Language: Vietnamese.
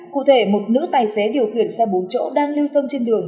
cụ thể một nữ tài xế điều khiển xe bốn chỗ đang lưu thông trên đường